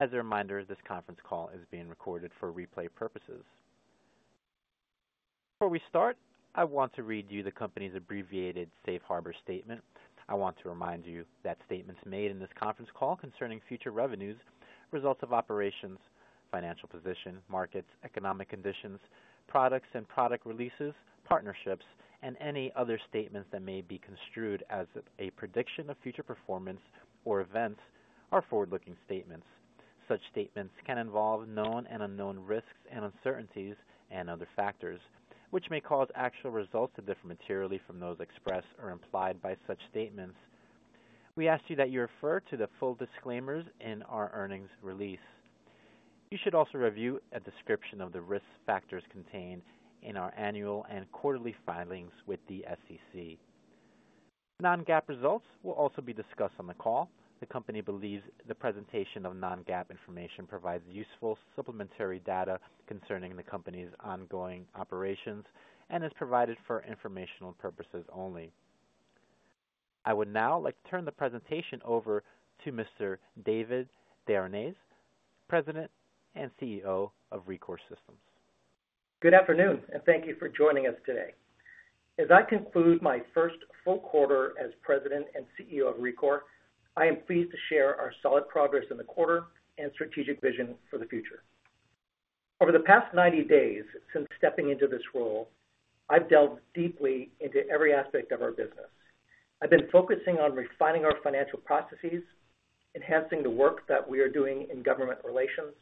...As a reminder, this conference call is being recorded for replay purposes. Before we start, I want to read you the company's abbreviated safe harbor statement. I want to remind you that statements made in this conference call concerning future revenues, results of operations, financial position, markets, economic conditions, products and product releases, partnerships, and any other statements that may be construed as a prediction of future performance or events are forward-looking statements. Such statements can involve known and unknown risks and uncertainties and other factors, which may cause actual results to differ materially from those expressed or implied by such statements. We ask you that you refer to the full disclaimers in our earnings release. You should also review a description of the risk factors contained in our annual and quarterly filings with the SEC. Non-GAAP results will also be discussed on the call. The company believes the presentation of non-GAAP information provides useful supplementary data concerning the company's ongoing operations and is provided for informational purposes only. I would now like to turn the presentation over to Mr. David Desharnais, President and CEO of Rekor Systems. Good afternoon, and thank you for joining us today. As I conclude my first full quarter as President and CEO of Rekor, I am pleased to share our solid progress in the quarter and strategic vision for the future. Over the past 90 days since stepping into this role, I've delved deeply into every aspect of our business. I've been focusing on refining our financial processes, enhancing the work that we are doing in government relations,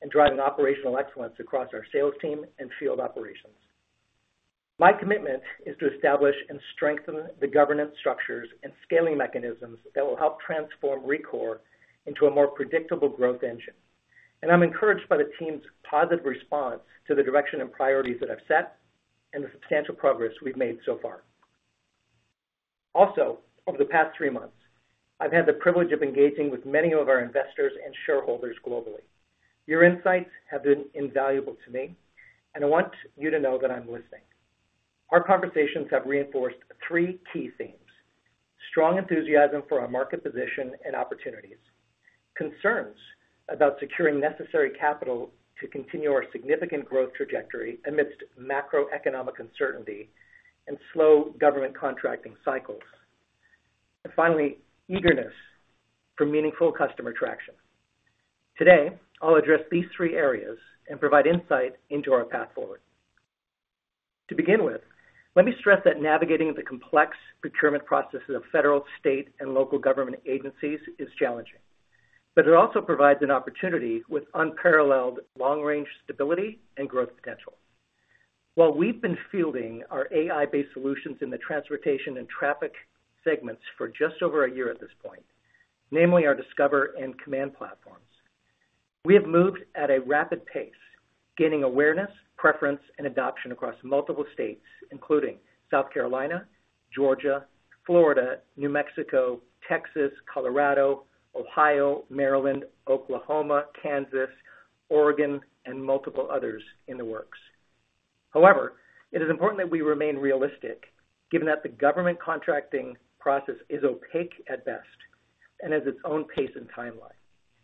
and driving operational excellence across our sales team and field operations. My commitment is to establish and strengthen the governance structures and scaling mechanisms that will help transform Rekor into a more predictable growth engine, and I'm encouraged by the team's positive response to the direction and priorities that I've set and the substantial progress we've made so far. Also, over the past three months, I've had the privilege of engaging with many of our investors and shareholders globally. Your insights have been invaluable to me, and I want you to know that I'm listening. Our conversations have reinforced three key themes: strong enthusiasm for our market position and opportunities, concerns about securing necessary capital to continue our significant growth trajectory amidst macroeconomic uncertainty and slow government contracting cycles, and finally, eagerness for meaningful customer traction. Today, I'll address these three areas and provide insight into our path forward. To begin with, let me stress that navigating the complex procurement processes of federal, state, and local government agencies is challenging, but it also provides an opportunity with unparalleled long-range stability and growth potential. While we've been fielding our AI-based solutions in the transportation and traffic segments for just over a year at this point, namely our Discover and Command platforms, we have moved at a rapid pace, gaining awareness, preference, and adoption across multiple states, including South Carolina, Georgia, Florida, New Mexico, Texas, Colorado, Ohio, Maryland, Oklahoma, Kansas, Oregon, and multiple others in the works. However, it is important that we remain realistic, given that the government contracting process is opaque at best and has its own pace and timeline.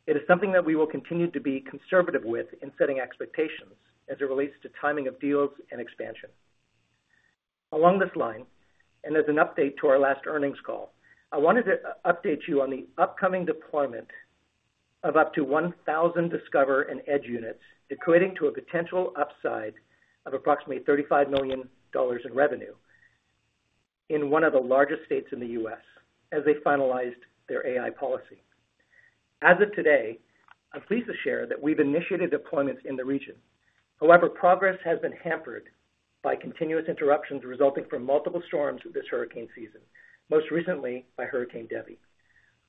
It is something that we will continue to be conservative with in setting expectations as it relates to timing of deals and expansion. Along this line, and as an update to our last earnings call, I wanted to update you on the upcoming deployment of up to 1,000 Discover and Edge units, equating to a potential upside of approximately $35 million in revenue in one of the largest states in the U.S. as they finalized their AI policy. As of today, I'm pleased to share that we've initiated deployments in the region. However, progress has been hampered by continuous interruptions resulting from multiple storms this hurricane season, most recently by Hurricane Debby.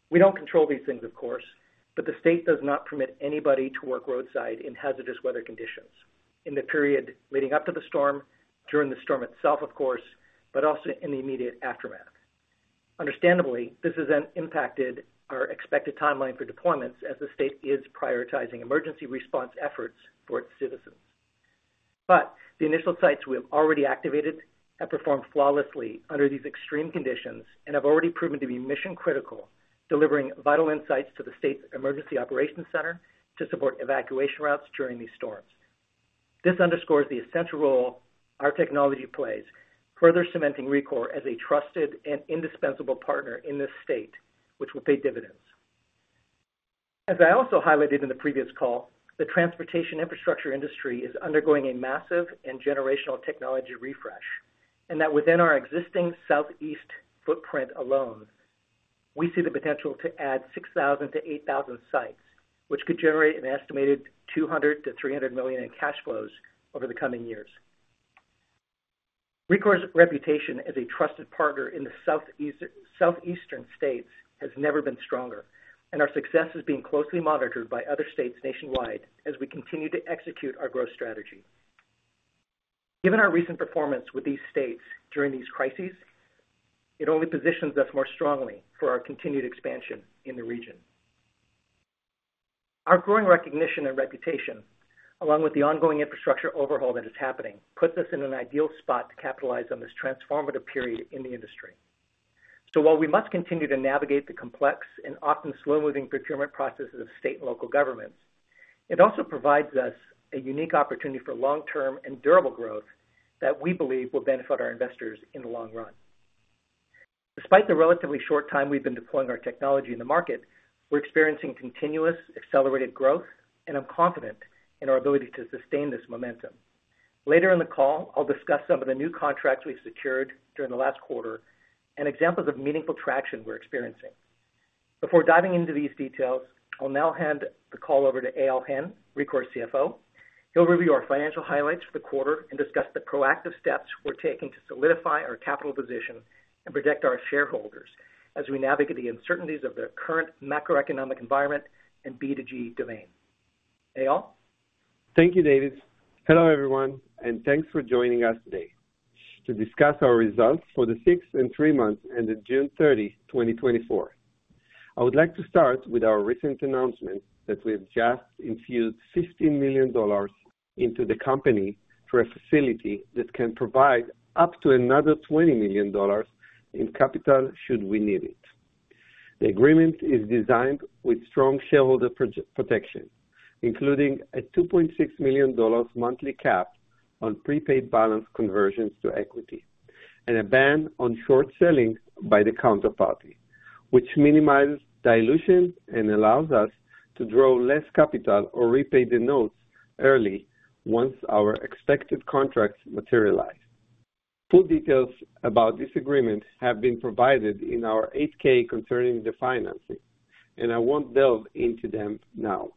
We don't control these things, of course, but the state does not permit anybody to work roadside in hazardous weather conditions in the period leading up to the storm, during the storm itself, of course, but also in the immediate aftermath. Understandably, this has then impacted our expected timeline for deployments as the state is prioritizing emergency response efforts for its citizens. But the initial sites we have already activated have performed flawlessly under these extreme conditions and have already proven to be mission-critical, delivering vital insights to the state's emergency operations center to support evacuation routes during these storms. This underscores the essential role our technology plays, further cementing Rekor as a trusted and indispensable partner in this state, which will pay dividends. As I also highlighted in the previous call, the transportation infrastructure industry is undergoing a massive and generational technology refresh, and that within our existing Southeast footprint alone, we see the potential to add 6,000-8,000 sites, which could generate an estimated $200 million-$300 million in cash flows over the coming years. Rekor's reputation as a trusted partner in the Southeastern states has never been stronger, and our success is being closely monitored by other states nationwide as we continue to execute our growth strategy. Given our recent performance with these states during these crises, it only positions us more strongly for our continued expansion in the region. Our growing recognition and reputation, along with the ongoing infrastructure overhaul that is happening, puts us in an ideal spot to capitalize on this transformative period in the industry.... So while we must continue to navigate the complex and often slow-moving procurement processes of state and local governments, it also provides us a unique opportunity for long-term and durable growth that we believe will benefit our investors in the long run. Despite the relatively short time we've been deploying our technology in the market, we're experiencing continuous accelerated growth, and I'm confident in our ability to sustain this momentum. Later in the call, I'll discuss some of the new contracts we've secured during the last quarter and examples of meaningful traction we're experiencing. Before diving into these details, I'll now hand the call over to Eyal Hen, Rekor's CFO. He'll review our financial highlights for the quarter and discuss the proactive steps we're taking to solidify our capital position and protect our shareholders as we navigate the uncertainties of the current macroeconomic environment and B2G domain. Eyal? Thank you, David. Hello, everyone, and thanks for joining us today to discuss our results for the six months and three months ended June 30, 2024. I would like to start with our recent announcement that we have just infused $15 million into the company through a facility that can provide up to another $20 million in capital should we need it. The agreement is designed with strong shareholder protections, including a $2.6 million monthly cap on prepaid balance conversions to equity, and a ban on short selling by the counterparty, which minimizes dilution and allows us to draw less capital or repay the notes early once our expected contracts materialize. Full details about this agreement have been provided in our 8-K concerning the financing, and I won't delve into them now.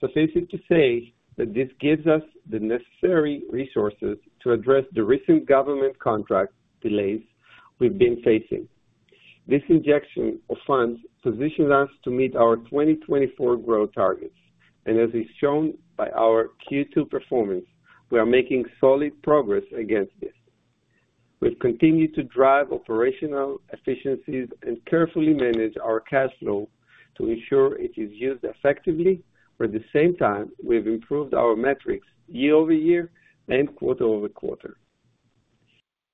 Suffice it to say that this gives us the necessary resources to address the recent government contract delays we've been facing. This injection of funds positions us to meet our 2024 growth targets, and as is shown by our Q2 performance, we are making solid progress against this. We've continued to drive operational efficiencies and carefully manage our cash flow to ensure it is used effectively, but at the same time, we've improved our metrics year-over-year and quarter-over-quarter.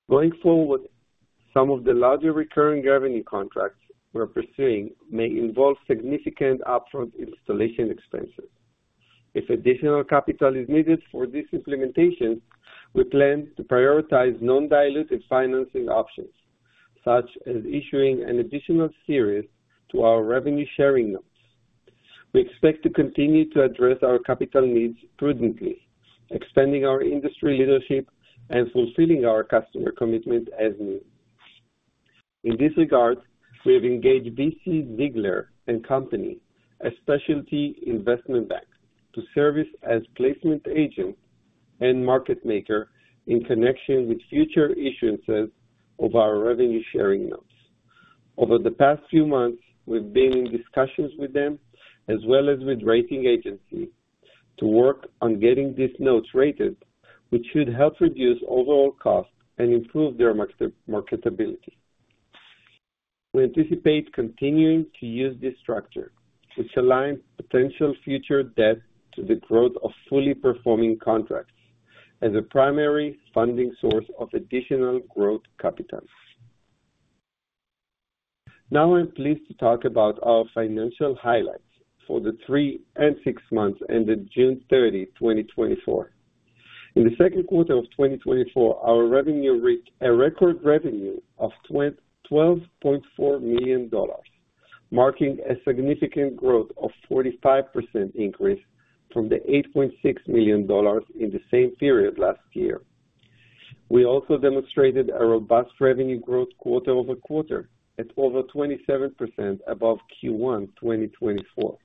Going forward, some of the larger recurring revenue contracts we're pursuing may involve significant upfront installation expenses. If additional capital is needed for this implementation, we plan to prioritize non-dilutive financing options, such as issuing an additional series to our revenue sharing notes. We expect to continue to address our capital needs prudently, expanding our industry leadership and fulfilling our customer commitment as new. In this regard, we have engaged B.C. Ziegler and Company, a specialty investment bank, to serve as placement agent and market maker in connection with future issuances of our revenue sharing notes. Over the past few months, we've been in discussions with them, as well as with rating agencies, to work on getting these notes rated, which should help reduce overall costs and improve their marketability. We anticipate continuing to use this structure, which aligns potential future debt to the growth of fully performing contracts as a primary funding source of additional growth capital. Now, I'm pleased to talk about our financial highlights for the three and six months ended June 30, 2024. In the second quarter of 2024, our revenue reached a record revenue of $12.4 million, marking a significant growth of 45% increase from the $8.6 million in the same period last year. We also demonstrated a robust revenue growth quarter-over-quarter at over 27% above Q1 2024.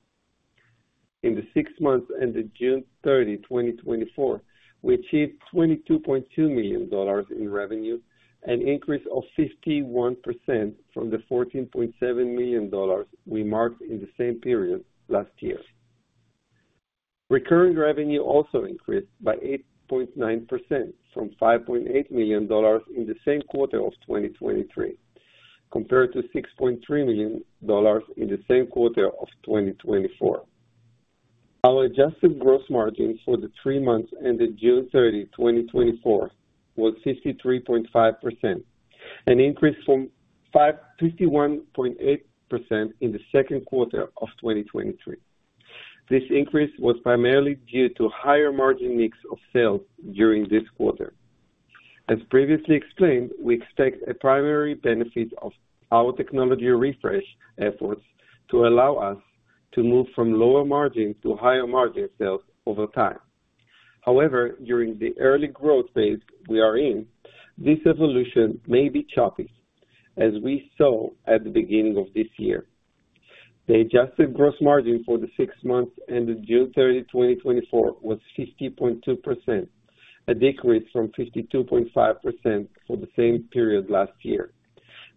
In the six months ended June 30, 2024, we achieved $22.2 million in revenue, an increase of 51% from the $14.7 million we marked in the same period last year. Recurring revenue also increased by 8.9% from $5.8 million in the same quarter of 2023, compared to $6.3 million in the same quarter of 2024. Our Adjusted Gross Margin for the three months ended June 30, 2024, was 63.5%, an increase from 51.8% in the second quarter of 2023. This increase was primarily due to higher margin mix of sales during this quarter. As previously explained, we expect a primary benefit of our technology refresh efforts to allow us to move from lower margin to higher margin sales over time. However, during the early growth phase we are in, this evolution may be choppy, as we saw at the beginning of this year. The Adjusted Gross Margin for the six months ended June 30, 2024, was 50.2%, a decrease from 52.5% for the same period last year.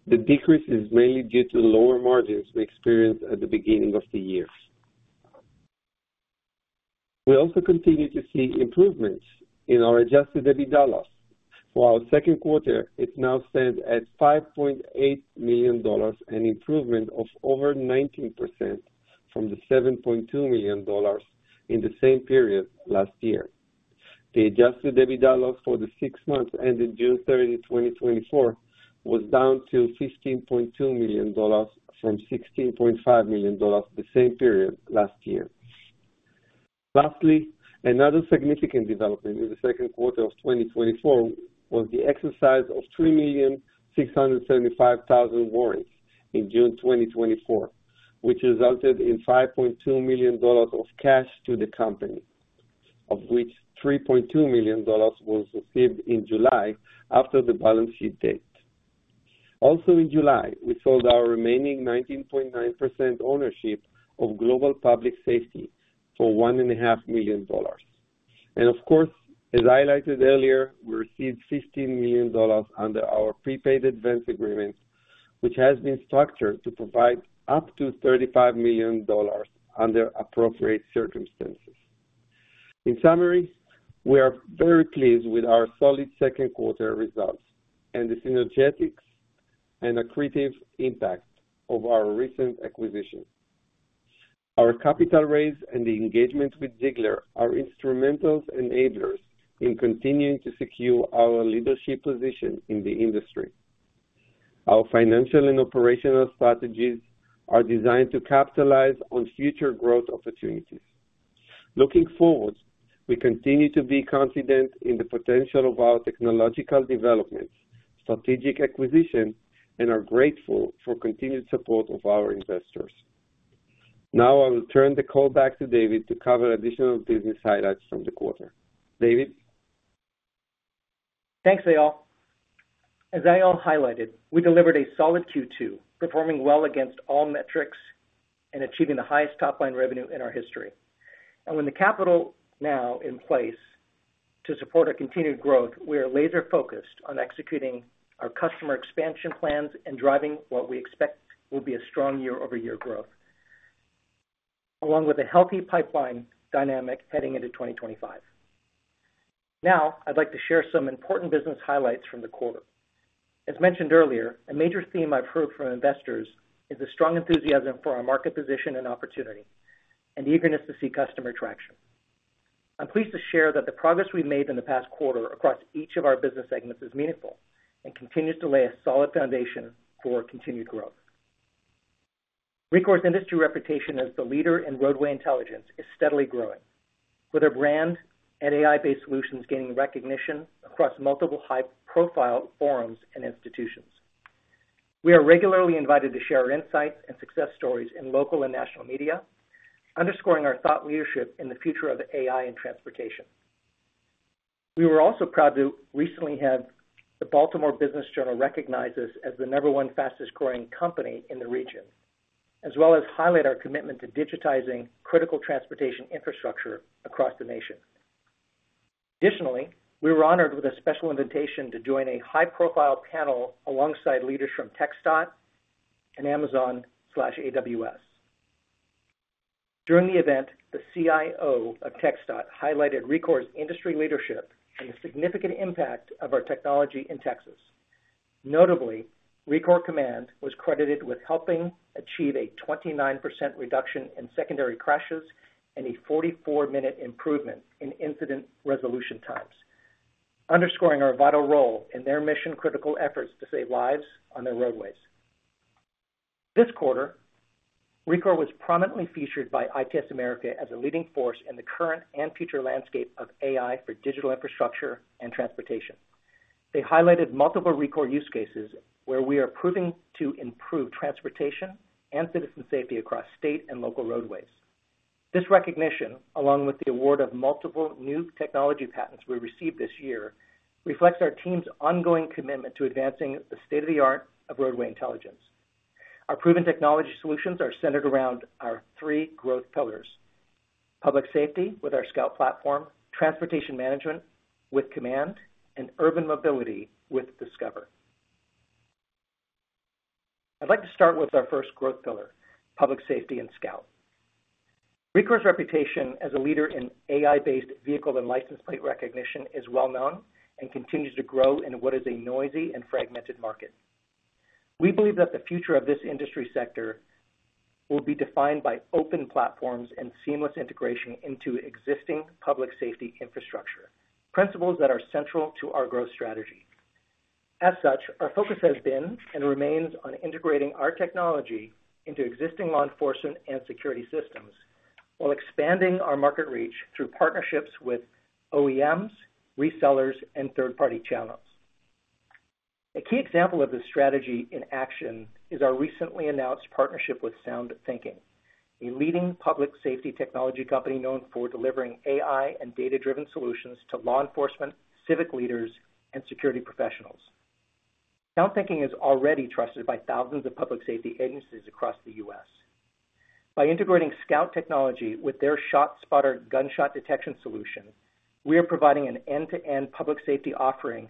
The decrease is mainly due to the lower margins we experienced at the beginning of the year. We also continue to see improvements in our adjusted EBITDA. For our second quarter, it now stands at $5.8 million, an improvement of over 19% from the $7.2 million in the same period last year. The adjusted EBITDA for the six months ended June 30, 2024, was down to $15.2 million from $16.5 million the same period last year. Lastly, another significant development in the second quarter of 2024 was the exercise of 3,675,000 warrants in June 2024, which resulted in $5.2 million of cash to the company, of which $3.2 million was received in July after the balance sheet date. Also in July, we sold our remaining 19.9% ownership of Global Public Safety for $1.5 million. Of course, as I highlighted earlier, we received $15 million under our prepaid advance agreement, which has been structured to provide up to $35 million under appropriate circumstances. In summary, we are very pleased with our solid second quarter results and the synergies and accretive impact of our recent acquisition. Our capital raise and the engagement with Ziegler are instrumental enablers in continuing to secure our leadership position in the industry. Our financial and operational strategies are designed to capitalize on future growth opportunities. Looking forward, we continue to be confident in the potential of our technological developments, strategic acquisition, and are grateful for continued support of our investors. Now, I will turn the call back to David to cover additional business highlights from the quarter. David? Thanks, Eyal. As Eyal highlighted, we delivered a solid Q2, performing well against all metrics and achieving the highest top-line revenue in our history. And with the capital now in place to support our continued growth, we are laser-focused on executing our customer expansion plans and driving what we expect will be a strong year-over-year growth, along with a healthy pipeline dynamic heading into 2025. Now, I'd like to share some important business highlights from the quarter. As mentioned earlier, a major theme I've heard from investors is a strong enthusiasm for our market position and opportunity, and eagerness to see customer traction. I'm pleased to share that the progress we've made in the past quarter across each of our business segments is meaningful and continues to lay a solid foundation for continued growth. Rekor's industry reputation as the leader in roadway intelligence is steadily growing, with our brand and AI-based solutions gaining recognition across multiple high-profile forums and institutions. We are regularly invited to share insights and success stories in local and national media, underscoring our thought leadership in the future of AI and transportation. We were also proud to recently have the Baltimore Business Journal recognize us as the number one fastest-growing company in the region, as well as highlight our commitment to digitizing critical transportation infrastructure across the nation. Additionally, we were honored with a special invitation to join a high-profile panel alongside leaders from TxDOT and Amazon/AWS. During the event, the CIO of TxDOT highlighted Rekor's industry leadership and the significant impact of our technology in Texas. Notably, Rekor Command was credited with helping achieve a 29% reduction in secondary crashes and a 44-minute improvement in incident resolution times, underscoring our vital role in their mission-critical efforts to save lives on their roadways. This quarter, Rekor was prominently featured by ITS America as a leading force in the current and future landscape of AI for digital infrastructure and transportation. They highlighted multiple Rekor use cases where we are proving to improve transportation and citizen safety across state and local roadways. This recognition, along with the award of multiple new technology patents we received this year, reflects our team's ongoing commitment to advancing the state-of-the-art of roadway intelligence. Our proven technology solutions are centered around our three growth pillars: public safety with our Scout platform, transportation management with Command, and urban mobility with Discover. I'd like to start with our first growth pillar, public safety and Scout. Rekor's reputation as a leader in AI-based vehicle and license plate recognition is well known and continues to grow in what is a noisy and fragmented market. We believe that the future of this industry sector will be defined by open platforms and seamless integration into existing public safety infrastructure, principles that are central to our growth strategy. As such, our focus has been and remains on integrating our technology into existing law enforcement and security systems, while expanding our market reach through partnerships with OEMs, resellers, and third-party channels. A key example of this strategy in action is our recently announced partnership with SoundThinking, a leading public safety technology company known for delivering AI and data-driven solutions to law enforcement, civic leaders, and security professionals. SoundThinking is already trusted by thousands of public safety agencies across the U.S. By integrating Scout technology with their ShotSpotter gunshot detection solution, we are providing an end-to-end public safety offering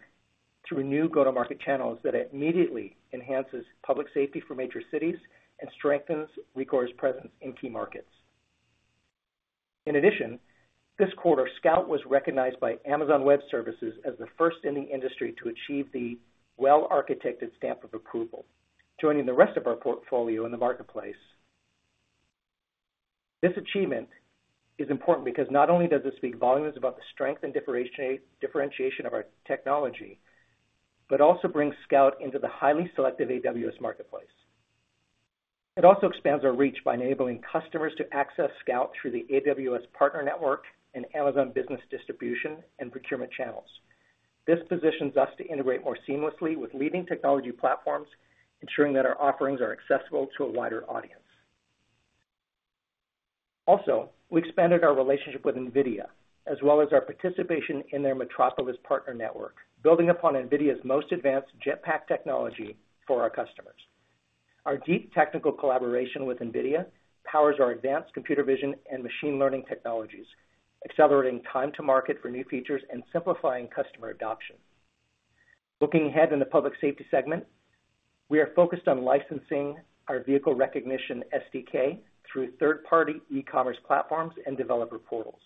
through new go-to-market channels that immediately enhances public safety for major cities and strengthens Rekor's presence in key markets. In addition, this quarter, Scout was recognized by Amazon Web Services as the first in the industry to achieve the Well-Architected stamp of approval, joining the rest of our portfolio in the marketplace. This achievement is important because not only does it speak volumes about the strength and differentiation of our technology, but also brings Scout into the highly selective AWS marketplace. It also expands our reach by enabling customers to access Scout through the AWS partner network and Amazon business distribution and procurement channels. This positions us to integrate more seamlessly with leading technology platforms, ensuring that our offerings are accessible to a wider audience. Also, we expanded our relationship with NVIDIA, as well as our participation in their Metropolis partner network, building upon NVIDIA's most advanced JetPack technology for our customers. Our deep technical collaboration with NVIDIA powers our advanced computer vision and machine learning technologies, accelerating time to market for new features and simplifying customer adoption. Looking ahead in the public safety segment, we are focused on licensing our vehicle recognition SDK through third-party e-commerce platforms and developer portals.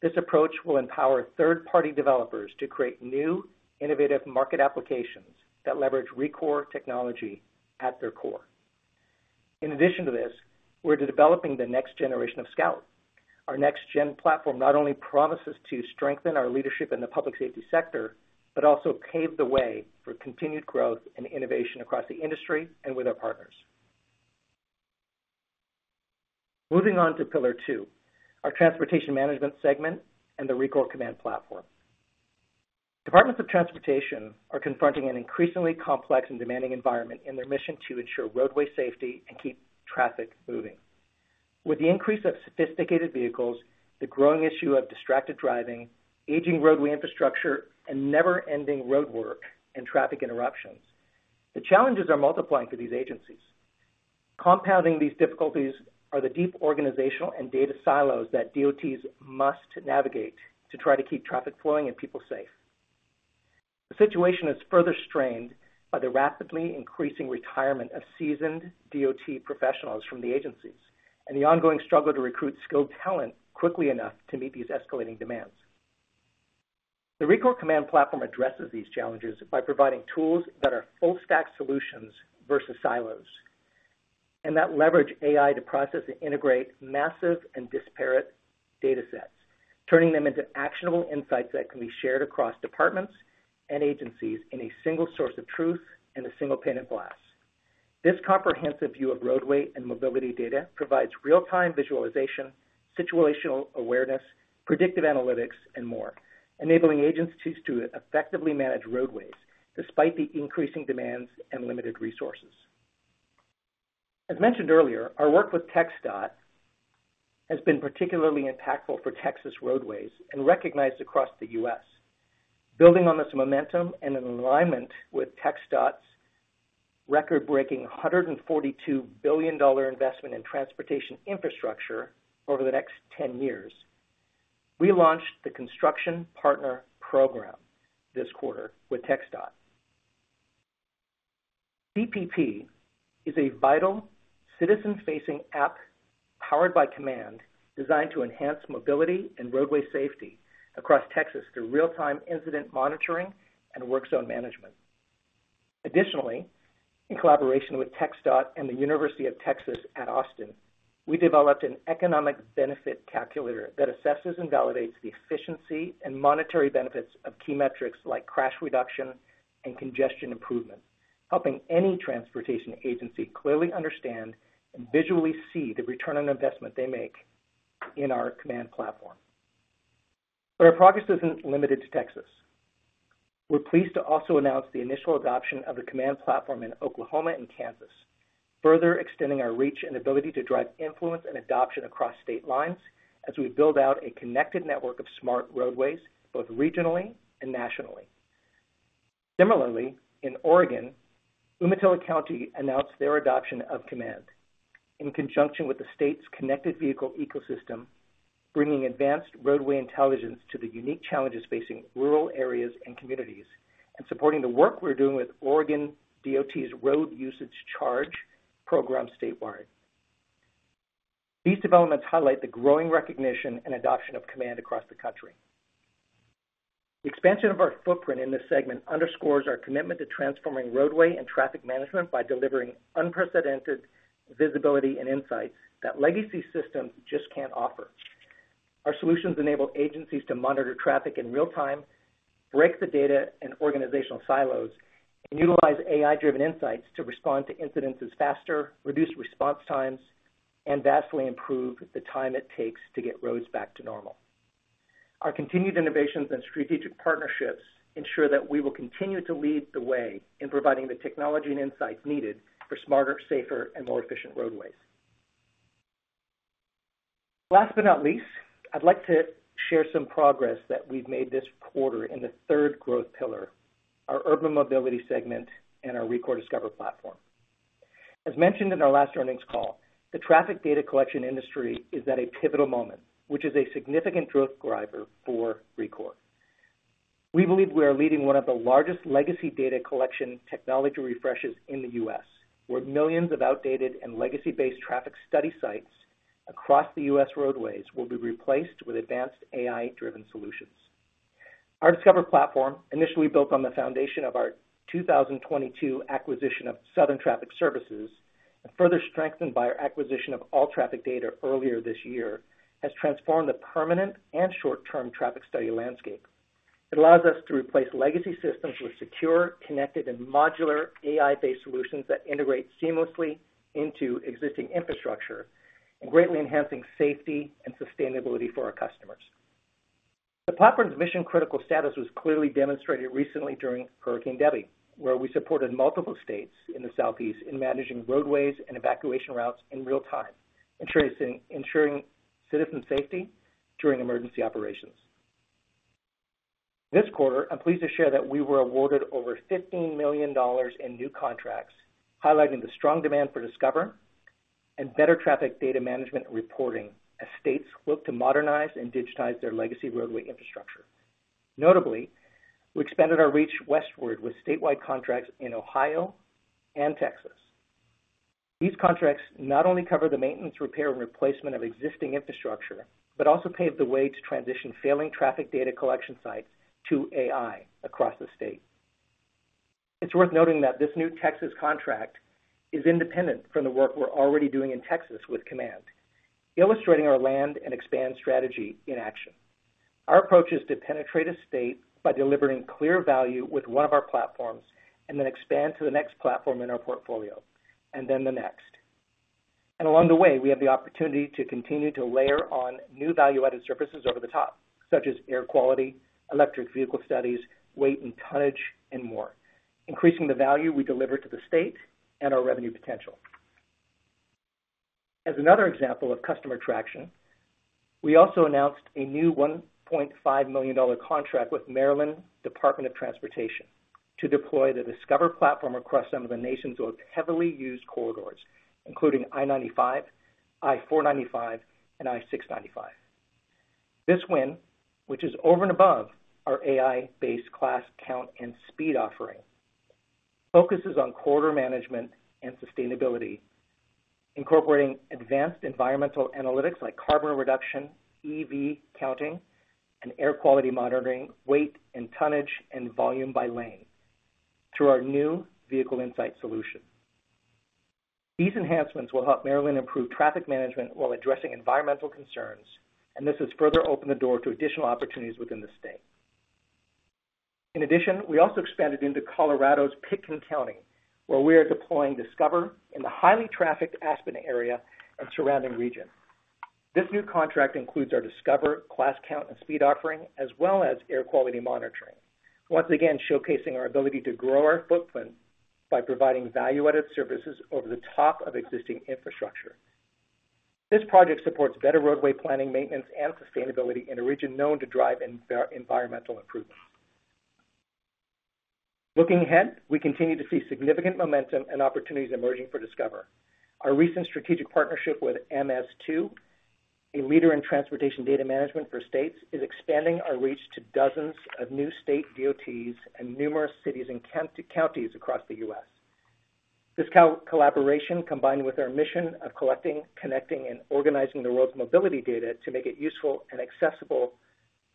This approach will empower third-party developers to create new, innovative market applications that leverage Rekor technology at their core. In addition to this, we're developing the next generation of Scout. Our next-gen platform not only promises to strengthen our leadership in the public safety sector, but also pave the way for continued growth and innovation across the industry and with our partners. Moving on to pillar two, our transportation management segment and the Rekor Command platform. Departments of transportation are confronting an increasingly complex and demanding environment in their mission to ensure roadway safety and keep traffic moving. With the increase of sophisticated vehicles, the growing issue of distracted driving, aging roadway infrastructure, and never-ending roadwork and traffic interruptions, the challenges are multiplying for these agencies. Compounding these difficulties are the deep organizational and data silos that DOTs must navigate to try to keep traffic flowing and people safe. The situation is further strained by the rapidly increasing retirement of seasoned DOT professionals from the agencies, and the ongoing struggle to recruit skilled talent quickly enough to meet these escalating demands. The Rekor Command platform addresses these challenges by providing tools that are full stack solutions versus silos, and that leverage AI to process and integrate massive and disparate data sets, turning them into actionable insights that can be shared across departments and agencies in a single source of truth and a single pane of glass. This comprehensive view of roadway and mobility data provides real-time visualization, situational awareness, predictive analytics, and more, enabling agencies to effectively manage roadways despite the increasing demands and limited resources. As mentioned earlier, our work with TxDOT has been particularly impactful for Texas roadways and recognized across the U.S. Building on this momentum and in alignment with TxDOT's record-breaking $142 billion investment in transportation infrastructure over the next ten years, we launched the Construction Partner Program this quarter with TxDOT. CPP is a vital citizen-facing app, powered by Command, designed to enhance mobility and roadway safety across Texas through real-time incident monitoring and work zone management. Additionally, in collaboration with TxDOT and the University of Texas at Austin, we developed an economic benefit calculator that assesses and validates the efficiency and monetary benefits of key metrics, like crash reduction and congestion improvement, helping any transportation agency clearly understand and visually see the return on investment they make in our Command platform. But our progress isn't limited to Texas. We're pleased to also announce the initial adoption of the Command platform in Oklahoma and Kansas, further extending our reach and ability to drive influence and adoption across state lines as we build out a connected network of smart roadways, both regionally and nationally. Similarly, in Oregon, Umatilla County announced their adoption of Command in conjunction with the state's connected vehicle ecosystem, bringing advanced roadway intelligence to the unique challenges facing rural areas and communities, and supporting the work we're doing with Oregon DOT's road usage charge program statewide. These developments highlight the growing recognition and adoption of Command across the country. The expansion of our footprint in this segment underscores our commitment to transforming roadway and traffic management by delivering unprecedented visibility and insights that legacy systems just can't offer. Our solutions enable agencies to monitor traffic in real time, break the data and organizational silos, and utilize AI-driven insights to respond to incidents faster, reduce response times, and vastly improve the time it takes to get roads back to normal. Our continued innovations and strategic partnerships ensure that we will continue to lead the way in providing the technology and insights needed for smarter, safer, and more efficient roadways. Last but not least, I'd like to share some progress that we've made this quarter in the third growth pillar, our urban mobility segment and our Rekor Discover platform. As mentioned in our last earnings call, the traffic data collection industry is at a pivotal moment, which is a significant growth driver for Rekor. We believe we are leading one of the largest legacy data collection technology refreshes in the U.S., where millions of outdated and legacy-based traffic study sites across the U.S. roadways will be replaced with advanced AI-driven solutions... Our Discover platform, initially built on the foundation of our 2022 acquisition of Southern Traffic Services, and further strengthened by our acquisition of All Traffic Data earlier this year, has transformed the permanent and short-term traffic study landscape. It allows us to replace legacy systems with secure, connected, and modular AI-based solutions that integrate seamlessly into existing infrastructure and greatly enhancing safety and sustainability for our customers. The platform's mission-critical status was clearly demonstrated recently during Hurricane Debby, where we supported multiple states in the Southeast in managing roadways and evacuation routes in real time, ensuring citizen safety during emergency operations. This quarter, I'm pleased to share that we were awarded over $15 million in new contracts, highlighting the strong demand for Discover and better traffic data management reporting as states look to modernize and digitize their legacy roadway infrastructure. Notably, we expanded our reach westward with statewide contracts in Ohio and Texas. These contracts not only cover the maintenance, repair, and replacement of existing infrastructure, but also pave the way to transition failing traffic data collection sites to AI across the state. It's worth noting that this new Texas contract is independent from the work we're already doing in Texas with Command, illustrating our land and expand strategy in action. Our approach is to penetrate a state by delivering clear value with one of our platforms, and then expand to the next platform in our portfolio, and then the next. Along the way, we have the opportunity to continue to layer on new value-added services over the top, such as air quality, electric vehicle studies, weight and tonnage, and more, increasing the value we deliver to the state and our revenue potential. As another example of customer traction, we also announced a new $1.5 million contract with Maryland Department of Transportation to deploy the Discover platform across some of the nation's most heavily used corridors, including I-95, I-495, and I-695. This win, which is over and above our AI-based class, count, and speed offering, focuses on corridor management and sustainability, incorporating advanced environmental analytics like carbon reduction, EV counting, and air quality monitoring, weight and tonnage, and volume by lane through our new Vehicle Insight solution. These enhancements will help Maryland improve traffic management while addressing environmental concerns, and this has further opened the door to additional opportunities within the state. In addition, we also expanded into Colorado's Pitkin County, where we are deploying Discover in the highly trafficked Aspen area and surrounding region. This new contract includes our Discover class, count, and speed offering, as well as air quality monitoring. Once again, showcasing our ability to grow our footprint by providing value-added services over the top of existing infrastructure. This project supports better roadway planning, maintenance, and sustainability in a region known to drive environmental improvements. Looking ahead, we continue to see significant momentum and opportunities emerging for Discover. Our recent strategic partnership with MS2, a leader in transportation data management for states, is expanding our reach to dozens of new state DOTs and numerous cities and counties across the U.S. This collaboration, combined with our mission of collecting, connecting, and organizing the world's mobility data to make it useful and accessible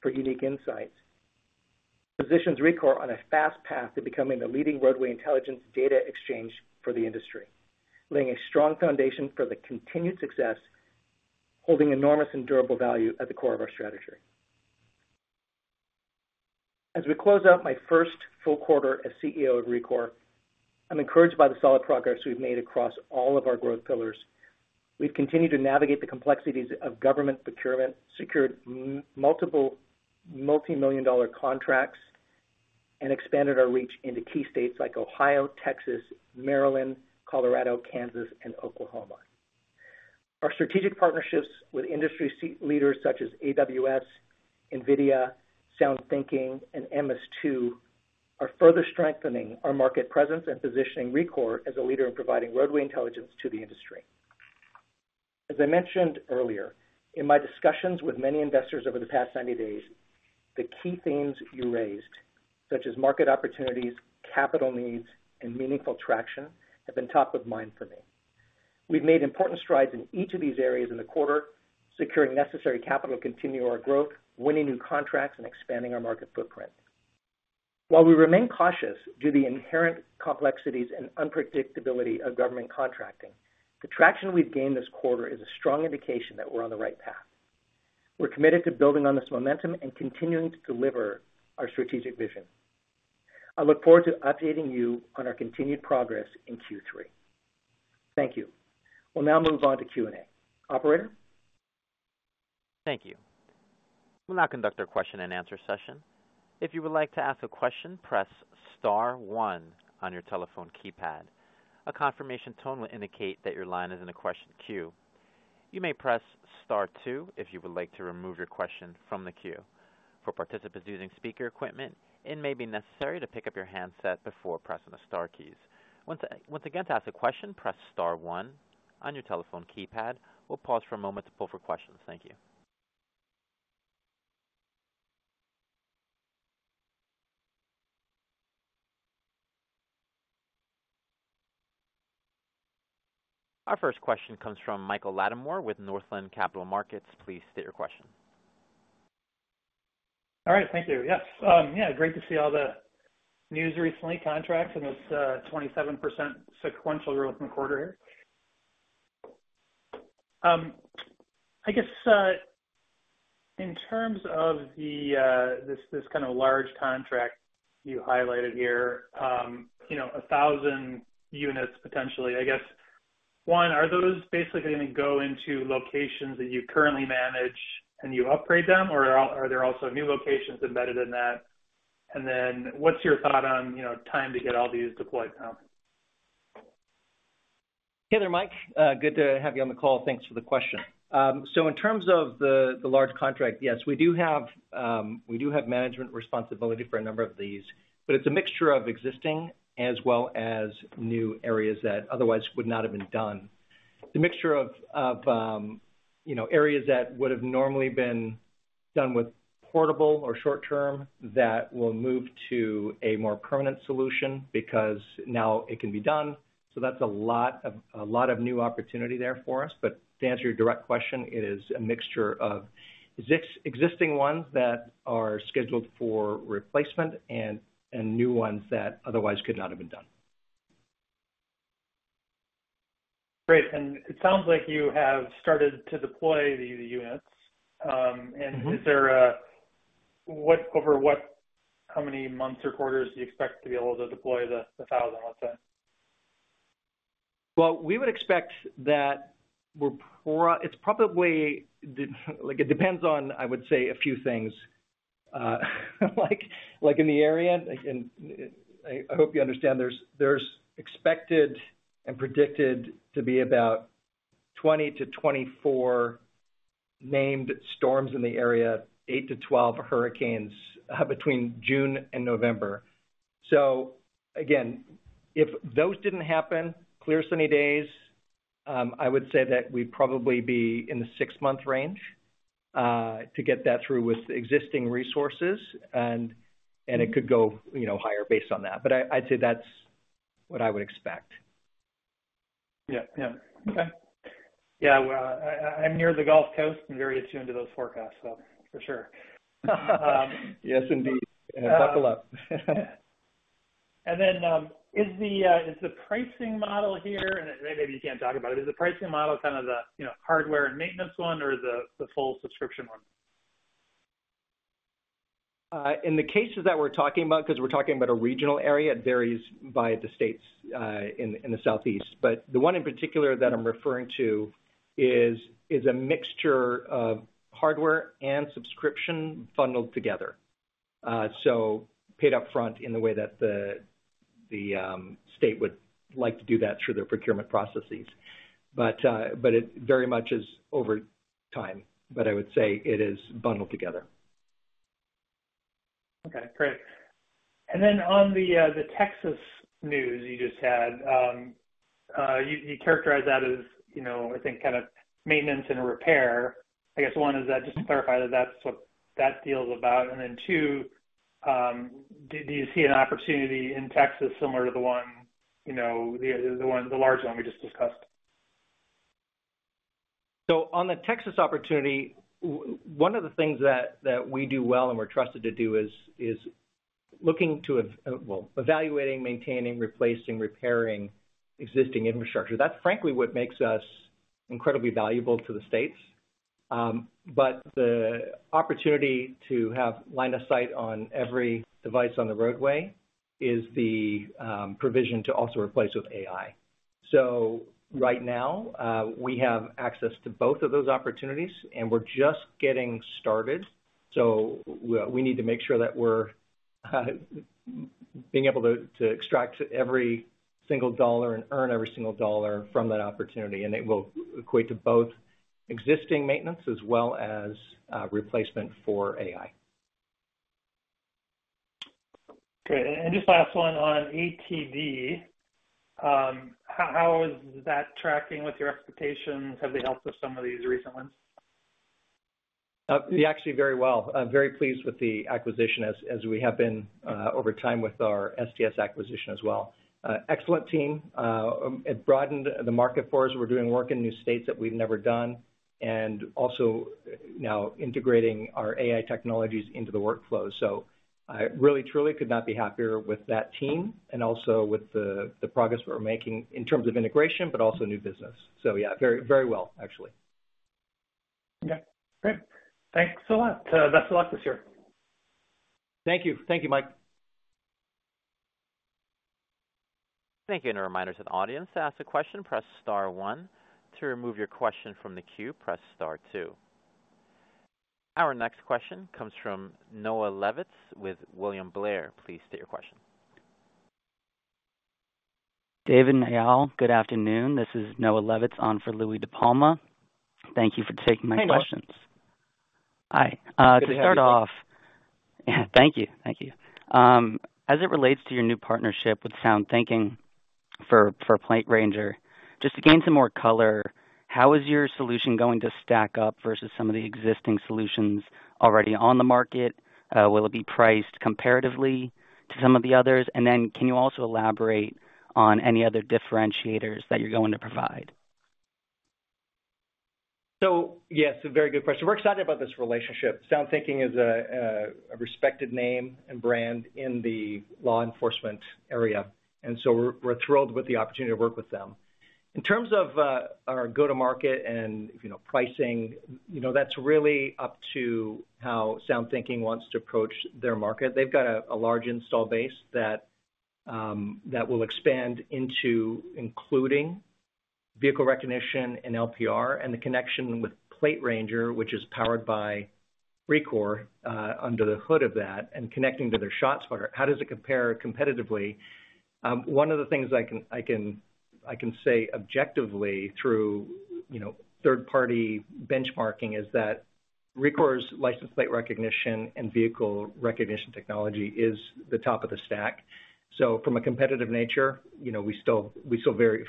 for unique insights, positions Rekor on a fast path to becoming the leading roadway intelligence data exchange for the industry, laying a strong foundation for the continued success, holding enormous and durable value at the core of our strategy. As we close out my first full quarter as CEO of Rekor, I'm encouraged by the solid progress we've made across all of our growth pillars. We've continued to navigate the complexities of government procurement, secured multiple multimillion-dollar contracts, and expanded our reach into key states like Ohio, Texas, Maryland, Colorado, Kansas, and Oklahoma. Our strategic partnerships with industry leaders such as AWS, NVIDIA, SoundThinking, and MS2 are further strengthening our market presence and positioning Rekor as a leader in providing roadway intelligence to the industry. As I mentioned earlier, in my discussions with many investors over the past 90 days, the key themes you raised, such as market opportunities, capital needs, and meaningful traction, have been top of mind for me. We've made important strides in each of these areas in the quarter, securing necessary capital to continue our growth, winning new contracts, and expanding our market footprint. While we remain cautious due to the inherent complexities and unpredictability of government contracting, the traction we've gained this quarter is a strong indication that we're on the right path. We're committed to building on this momentum and continuing to deliver our strategic vision. I look forward to updating you on our continued progress in Q3. Thank you. We'll now move on to Q&A. Operator? Thank you. We'll now conduct our question and answer session. If you would like to ask a question, press star one on your telephone keypad. A confirmation tone will indicate that your line is in the question queue. You may press star two if you would like to remove your question from the queue. For participants using speaker equipment, it may be necessary to pick up your handset before pressing the star keys. Once, once again, to ask a question, press star one on your telephone keypad. We'll pause for a moment to pull for questions. Thank you. Our first question comes from Michael Latimore with Northland Capital Markets. Please state your question. All right, thank you. Yes. Yeah, great to see all the news recently, contracts and this, 27% sequential growth from quarter here. I guess, in terms of the, this, this kind of large contract you highlighted here, you know, 1,000 units potentially, I guess, one, are those basically going to go into locations that you currently manage and you upgrade them, or are, are there also new locations embedded in that? And then what's your thought on, you know, time to get all these deployed now? Hey there, Mike. Good to have you on the call. Thanks for the question. So in terms of the, the large contract, yes, we do have, we do have management responsibility for a number of these, but it's a mixture of existing as well as new areas that otherwise would not have been done. The mixture of, of, you know, areas that would have normally been done with portable or short term, that will move to a more permanent solution because now it can be done. So that's a lot of, a lot of new opportunity there for us. But to answer your direct question, it is a mixture of existing ones that are scheduled for replacement and, and new ones that otherwise could not have been done. Great. And it sounds like you have started to deploy the units. Mm-hmm. And, how many months or quarters do you expect to be able to deploy the, the 1,000, let's say? Well, we would expect that we're. It's probably, the, like, it depends on, I would say, a few things. Like, like in the area, and I hope you understand, there's expected and predicted to be about 20-24 named storms in the area, 8-12 hurricanes between June and November. So again, if those didn't happen, clear, sunny days, I would say that we'd probably be in the 6-month range, to get that through with existing resources, and it could go, you know, higher based on that. But I, I'd say that's what I would expect. Yeah. Yeah. Okay. Yeah, well, I, I'm near the Gulf Coast and very attuned to those forecasts, so for sure. Yes, indeed. Buckle up. And then, is the pricing model here, and maybe you can't talk about it, is the pricing model kind of the, you know, hardware and maintenance one or the full subscription one? In the cases that we're talking about, because we're talking about a regional area, it varies by the states in the Southeast. But the one in particular that I'm referring to is a mixture of hardware and subscription funneled together. So paid upfront in the way that the state would like to do that through their procurement processes. But it very much is over time. But I would say it is bundled together. Okay, great. And then on the Texas news you just had, you characterize that as, you know, I think kind of maintenance and repair. I guess one, is that just to clarify that that's what that deal is about? And then two, do you see an opportunity in Texas similar to the one, you know, the large one we just discussed? So on the Texas opportunity, one of the things that we do well and we're trusted to do is evaluating, maintaining, replacing, repairing existing infrastructure. That's frankly what makes us incredibly valuable to the states. But the opportunity to have line of sight on every device on the roadway is the provision to also replace with AI. So right now, we have access to both of those opportunities, and we're just getting started. So we need to make sure that we're being able to extract every single dollar and earn every single dollar from that opportunity, and it will equate to both existing maintenance as well as replacement for AI. Great. And just last one on ATD, how is that tracking with your expectations? Have they helped with some of these recent ones? They actually very well. I'm very pleased with the acquisition as, as we have been, over time with our STS acquisition as well. Excellent team. It broadened the market for us. We're doing work in new states that we've never done, and also now integrating our AI technologies into the workflow. So I really, truly could not be happier with that team and also with the progress we're making in terms of integration, but also new business. So yeah, very, very well, actually. Okay, great. Thanks a lot. Best of luck this year. Thank you. Thank you, Mike. Thank you, and a reminder to the audience, to ask a question, press star one. To remove your question from the queue, press star two. Our next question comes from Noah Levitz with William Blair. Please state your question. David Desharnais, good afternoon. This is Noah Levitz on for Louie DiPalma. Thank you for taking my questions. Hey, Noah. Hi. Good to have you. To start off... Yeah, thank you. Thank you. As it relates to your new partnership with SoundThinking for PlateRanger, just to gain some more color- ...How is your solution going to stack up versus some of the existing solutions already on the market? Will it be priced comparatively to some of the others? And then can you also elaborate on any other differentiators that you're going to provide? So, yes, a very good question. We're excited about this relationship. SoundThinking is a respected name and brand in the law enforcement area, and so we're thrilled with the opportunity to work with them. In terms of our go-to-market and, you know, pricing, you know, that's really up to how SoundThinking wants to approach their market. They've got a large install base that will expand into including vehicle recognition and LPR and the connection with PlateRanger, which is powered by Rekor under the hood of that, and connecting to their ShotSpotter. How does it compare competitively? One of the things I can say objectively through, you know, third-party benchmarking is that Rekor's license plate recognition and vehicle recognition technology is the top of the stack. So from a competitive nature, you know, we still, we feel very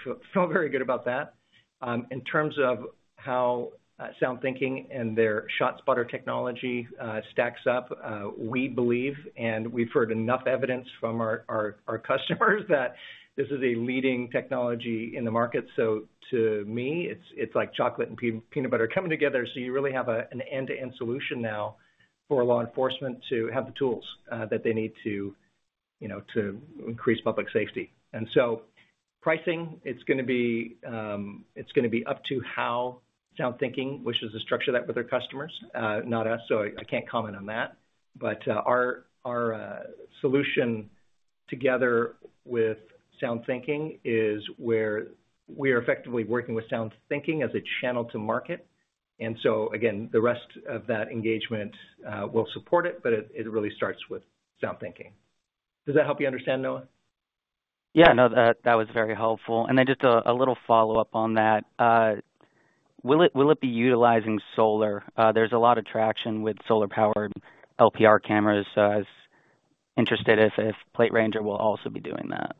good about that. In terms of how SoundThinking and their ShotSpotter technology stacks up, we believe, and we've heard enough evidence from our customers that this is a leading technology in the market. So to me, it's like chocolate and peanut butter coming together, so you really have an end-to-end solution now for law enforcement to have the tools that they need to, you know, to increase public safety. And so pricing, it's gonna be up to how SoundThinking wishes to structure that with their customers, not us, so I can't comment on that. But our solution together with SoundThinking is where we are effectively working with SoundThinking as a channel to market. And so again, the rest of that engagement will support it, but it really starts with SoundThinking. Does that help you understand, Noah? Yeah, no, that, that was very helpful. And then just a little follow-up on that. Will it, will it be utilizing solar? There's a lot of traction with solar-powered LPR cameras, so I was interested if PlateRanger will also be doing that.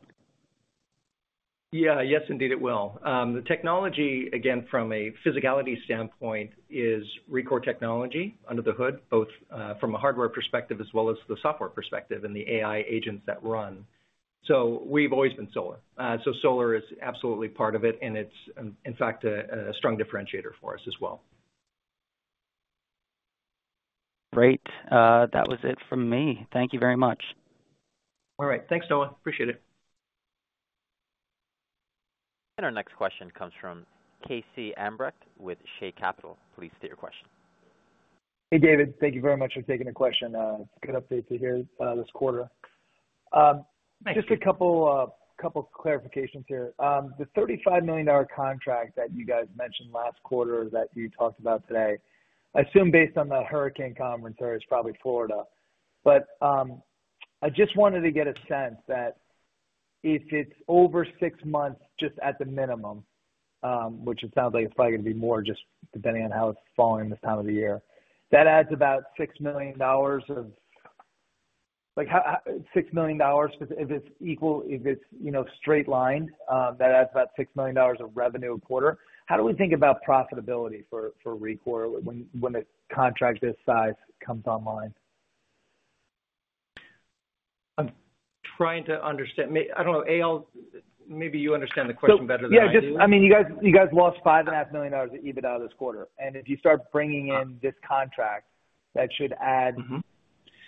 Yeah. Yes, indeed, it will. The technology, again, from a physicality standpoint, is Rekor technology under the hood, both from a hardware perspective as well as the software perspective and the AI agents that run. So we've always been solar. So solar is absolutely part of it, and it's, in fact, a strong differentiator for us as well. Great. That was it from me. Thank you very much. All right. Thanks, Noah. Appreciate it. Our next question comes from Casey Ambrecht with Shay Capital. Please state your question. Hey, David. Thank you very much for taking the question. Good update to hear this quarter. Thank you. Just a couple clarifications here. The $35 million contract that you guys mentioned last quarter that you talked about today, I assume based on the hurricane commentary, it's probably Florida. But I just wanted to get a sense that if it's over six months, just at the minimum, which it sounds like it's probably gonna be more just depending on how it's falling this time of the year, that adds about $6 million of... Like, six million dollars, if it's equal, if it's, you know, straight lined, that adds about $6 million of revenue a quarter. How do we think about profitability for Rekor when a contract this size comes online? I'm trying to understand. I don't know. Eyal, maybe you understand the question better than I do. I mean, you guys, you guys lost $5.5 million of EBITDA this quarter, and if you start bringing in this contract, that should add- Mm-hmm.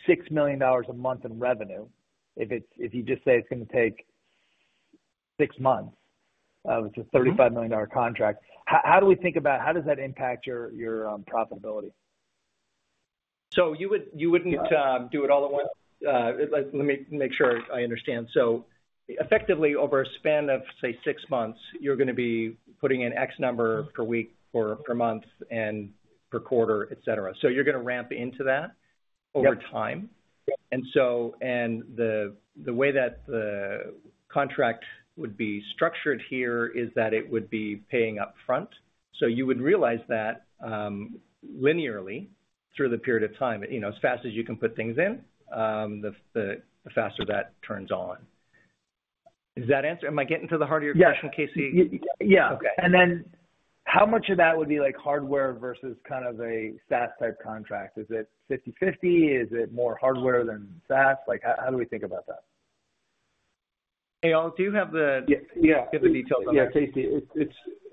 -six million dollars a month in revenue. If it's, if you just say it's gonna take six months, which is $35 million dollar contract, how, how do we think about... How does that impact your, your, profitability? So you would, you wouldn't do it all at once. Let me make sure I understand. So effectively, over a span of, say, six months, you're gonna be putting in X number per week or per month and per quarter, et cetera. So you're gonna ramp into that. Yep. -over time. Yep. And the way that the contract would be structured here is that it would be paying upfront. So you would realize that linearly through the period of time, you know, as fast as you can put things in, the faster that turns on. Does that answer? Am I getting to the heart of your question, Casey? Yeah. Okay. And then how much of that would be, like, hardware versus kind of a SaaS type contract? Is it 50/50? Is it more hardware than SaaS? Like, how do we think about that? Eyal, do you have the- Yeah. You have the details on that? Yeah, Casey,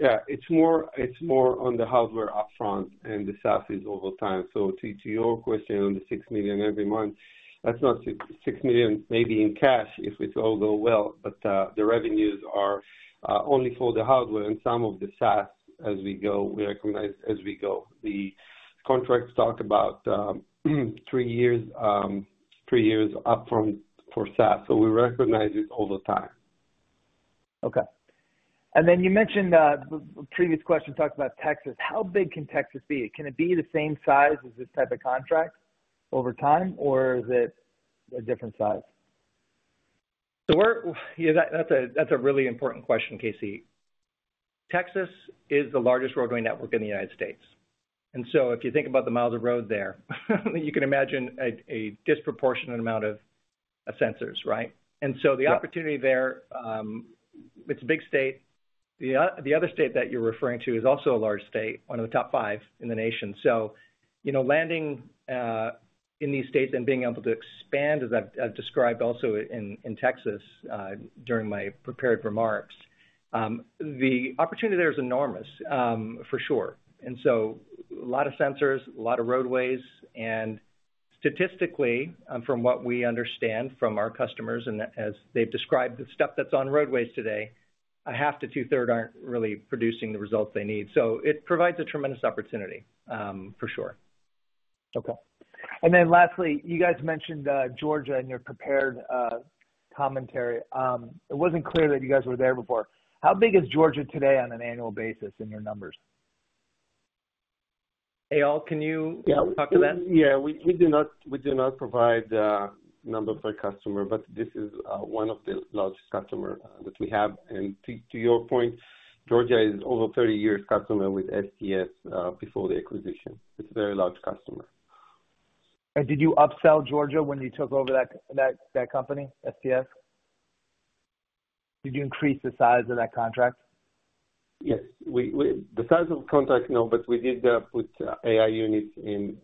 it's more on the hardware upfront, and the SaaS is over time. So to your question, on the $6 million every month, that's not $6 million maybe in cash, if it's all go well, but the revenues are only for the hardware and some of the SaaS as we go, we recognize as we go. The contracts talk about three years upfront for SaaS, so we recognize it all the time. Okay. And then you mentioned, the previous question talked about Texas. How big can Texas be? Can it be the same size as this type of contract over time, or is it a different size? That's a really important question, Casey. Texas is the largest roadway network in the United States... And so if you think about the miles of road there, you can imagine a disproportionate amount of sensors, right? And so the opportunity there, it's a big state. The other state that you're referring to is also a large state, one of the top five in the nation. So, you know, landing in these states and being able to expand, as I've described also in Texas during my prepared remarks, the opportunity there is enormous, for sure. And so a lot of sensors, a lot of roadways, and statistically, from what we understand from our customers and as they've described the stuff that's on roadways today, half to two-thirds aren't really producing the results they need. So it provides a tremendous opportunity, for sure. Okay. And then lastly, you guys mentioned Georgia in your prepared commentary. It wasn't clear that you guys were there before. How big is Georgia today on an annual basis in your numbers? Eyal, can you- Yeah. - talk to that? Yeah, we do not provide numbers by customer, but this is one of the largest customer that we have. And to your point, Georgia is over 30 years customer with STS before the acquisition. It's a very large customer. Did you upsell Georgia when you took over that company, STS? Did you increase the size of that contract? Yes. The size of contract, no, but we did put AI units in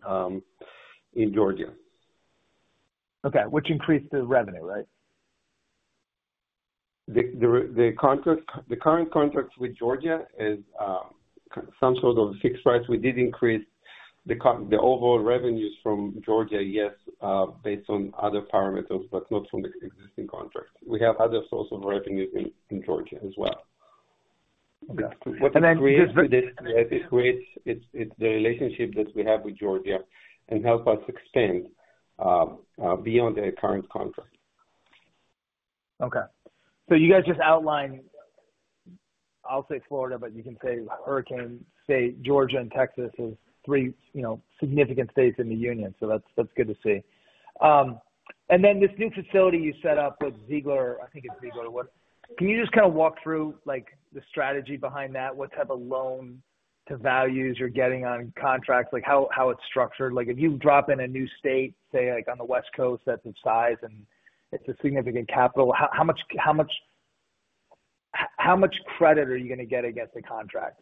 Georgia. Okay. Which increased the revenue, right? The current contract with Georgia is some sort of fixed price. We did increase the overall revenues from Georgia, yes, based on other parameters, but not from the existing contract. We have other source of revenues in Georgia as well. Yeah. And then just to— It creates the relationship that we have with Georgia and help us expand beyond the current contract. Okay. So you guys just outlined, I'll say Florida, but you can say hurricane state, Georgia and Texas is three, you know, significant states in the union, so that's, that's good to see. And then this new facility you set up with Ziegler, I think it's Ziegler, what? Can you just kind of walk through, like, the strategy behind that? What type of loan to values you're getting on contracts? Like, how it's structured. Like, if you drop in a new state, say, like, on the West Coast, that's of size and it's a significant capital, how much credit are you gonna get against the contract?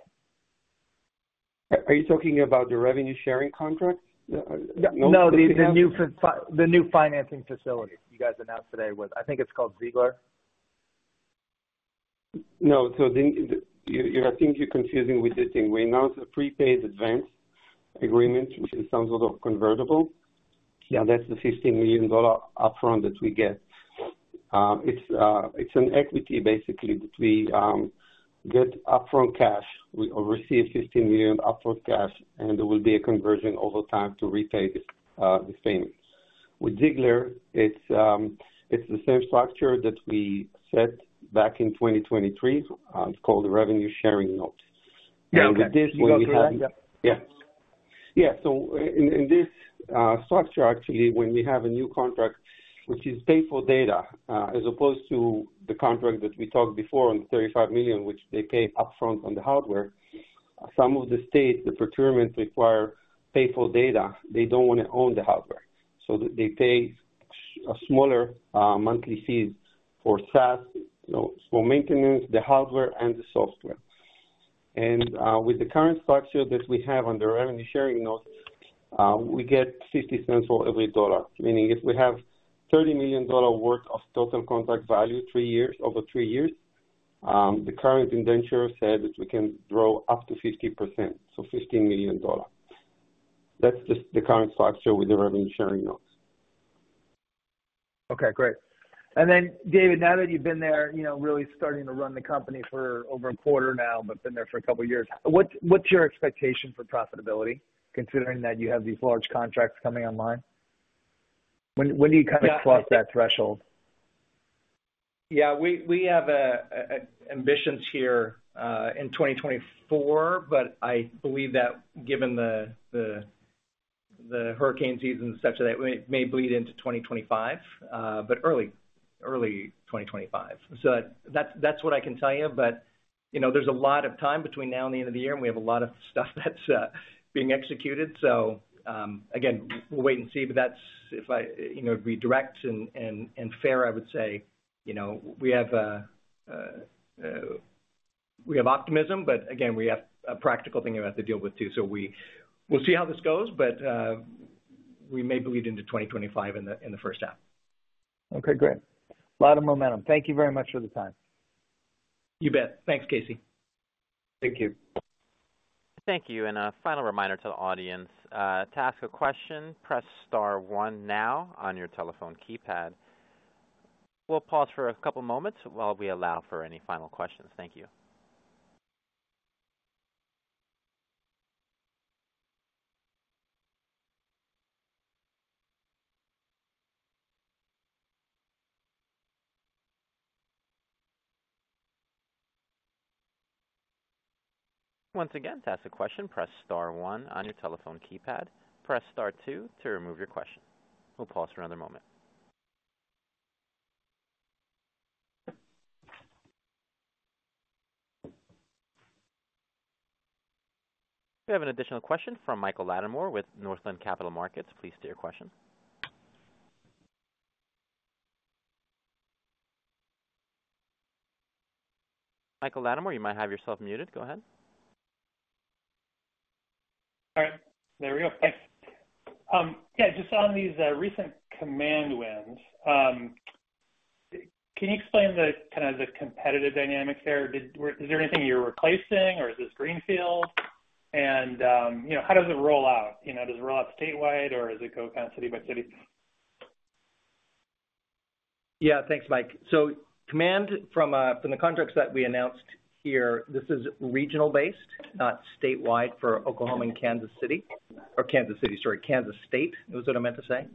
Are you talking about the revenue sharing contract? The note? No, the new financing facility you guys announced today with... I think it's called Ziegler. No, so you think you're confusing with this thing. We announced a prepaid advance agreement, which is some sort of convertible. Yeah, that's the $15 million upfront that we get. It's an equity basically, that we get upfront cash. We receive $15 million upfront cash, and there will be a conversion over time to repay the same. With Ziegler, it's the same structure that we set back in 2023. It's called the revenue sharing note. Yeah, okay. With this, we have- You go through that? Yeah. Yeah, so in this structure, actually, when we have a new contract, which is pay for data, as opposed to the contract that we talked before on $35 million, which they pay upfront on the hardware. Some of the states, the procurements require pay for data. They don't want to own the hardware, so they pay a smaller monthly fees for SaaS, you know, for maintenance, the hardware and the software. And with the current structure that we have on the revenue sharing notes, we get 50 cents for every dollar, meaning if we have $30 million worth of total contract value, three years, over three years, the current indenture said that we can grow up to 50%, so $15 million. That's just the current structure with the revenue sharing notes. Okay, great. And then, David, now that you've been there, you know, really starting to run the company for over a quarter now, but been there for a couple of years, what, what's your expectation for profitability, considering that you have these large contracts coming online? When, when do you kind of cross that threshold? Yeah, we have ambitions here in 2024, but I believe that given the hurricane season and such, that it may bleed into 2025, but early 2025. So that's what I can tell you. But you know, there's a lot of time between now and the end of the year, and we have a lot of stuff that's being executed. So again, we'll wait and see. But that's if I you know be direct and fair, I would say you know we have optimism, but again, we have a practical thing we have to deal with too. So we'll see how this goes, but we may bleed into 2025 in the first half. Okay, great. Lot of momentum. Thank you very much for the time. You bet. Thanks, Casey. Thank you. Thank you, and a final reminder to the audience to ask a question, press star one now on your telephone keypad. We'll pause for a couple of moments while we allow for any final questions. Thank you. Once again, to ask a question, press star one on your telephone keypad. Press star two to remove your question. We'll pause for another moment. We have an additional question from Michael Latimore with Northland Capital Markets. Please state your question. Michael Latimore, you might have yourself muted. Go ahead. All right. There we go. Thanks. Yeah, just on these recent Command wins, can you explain the kind of the competitive dynamics there? Is there anything you're replacing, or is this greenfield? And you know, how does it roll out? You know, does it roll out statewide or does it go kind of city by city? Yeah, thanks, Mike. So Command, from the contracts that we announced here, this is regional-based, not statewide, for Oklahoma and Kansas City. Or Kansas City, sorry, Kansas State, is what I meant to say.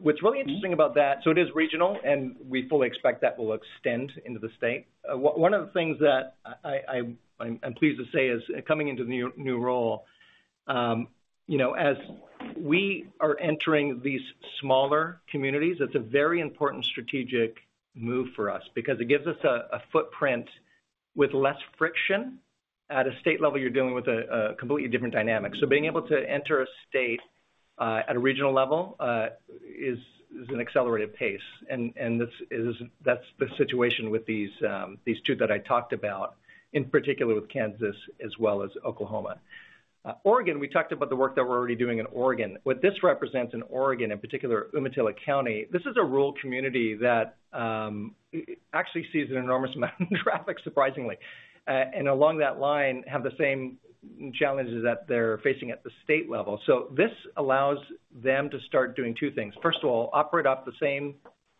What's really interesting about that... So it is regional, and we fully expect that will extend into the state. One of the things that I'm pleased to say is, coming into the new role, you know, as we are entering these smaller communities, it's a very important strategic move for us because it gives us a footprint with less friction. At a state level, you're dealing with a completely different dynamic. So being able to enter a state at a regional level is an accelerated pace, and that's the situation with these two that I talked about, in particular with Kansas as well as Oklahoma. Oregon, we talked about the work that we're already doing in Oregon. What this represents in Oregon, in particular, Umatilla County, this is a rural community that actually sees an enormous amount of traffic, surprisingly. And along that line, have the same challenges that they're facing at the state level. So this allows them to start doing two things. First of all, operate off the same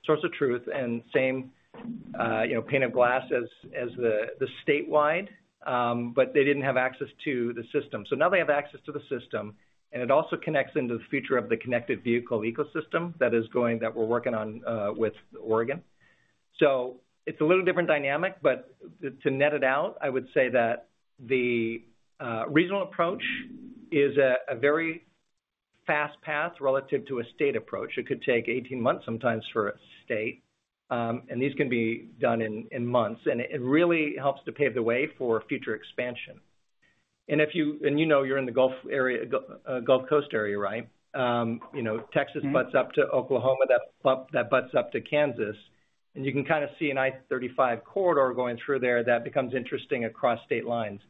source of truth and same, you know, pane of glass as the statewide, but they didn't have access to the system. So now they have access to the system, and it also connects into the future of the connected vehicle ecosystem that is going- that we're working on with Oregon. So it's a little different dynamic, but to net it out, I would say that the regional approach is a very fast path relative to a state approach. It could take 18 months sometimes for a state, and these can be done in months, and it really helps to pave the way for future expansion. And if you... And you know, you're in the Gulf area, Gulf Coast area, right? You know, Texas butts up to Oklahoma, that butts up to Kansas, and you can kind of see an I-35 corridor going through there that becomes interesting across state lines.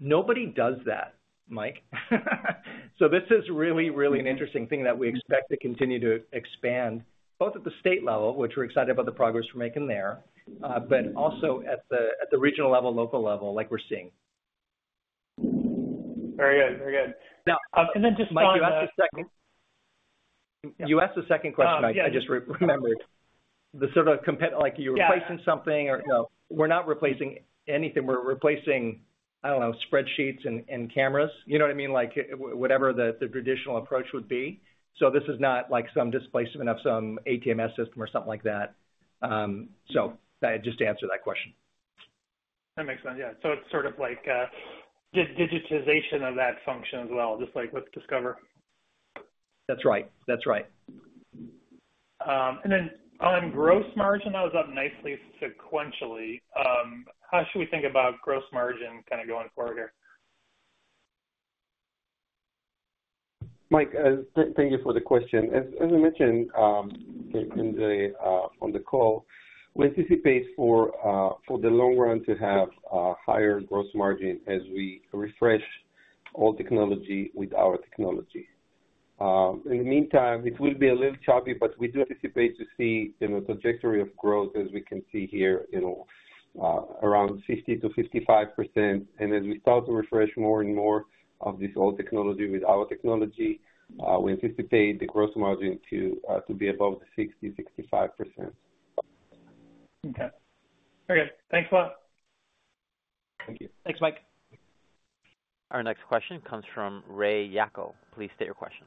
Nobody does that, Mike. This is really, really an interesting thing that we expect to continue to expand, both at the state level, which we're excited about the progress we're making there, but also at the regional level, local level, like we're seeing. Very good. Very good. Now- And then just on the- Mike, you asked a second question. Yeah. I just remembered. The sort of compa- Yeah. Like, you're replacing something or, you know. We're not replacing anything. We're replacing, I don't know, spreadsheets and cameras. You know what I mean? Like, whatever the traditional approach would be. So this is not like some displacement of some ATMS system or something like that. So just to answer that question. That makes sense. Yeah. So it's sort of like, digitization of that function as well, just like with Discover. That's right. That's right. And then on gross margin, that was up nicely sequentially. How should we think about gross margin kind of going forward here? Mike, thank you for the question. As we mentioned on the call, we anticipate for the long run to have a higher gross margin as we refresh old technology with our technology. In the meantime, it will be a little choppy, but we do anticipate to see, you know, trajectory of growth as we can see here, you know, around 50%-55%. And as we start to refresh more and more of this old technology with our technology, we anticipate the gross margin to be above 60%-65%. Okay. Very good. Thanks a lot. Thank you. Thanks, Mike. Our next question comes from Ray Yacco. Please state your question.